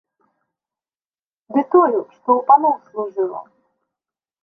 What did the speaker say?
Ды тую, што ў паноў служыла.